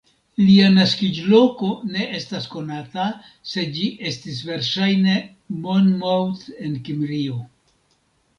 Lia naskiĝloko ne estas konata, sed ĝi estis verŝajne Monmouth en Kimrio.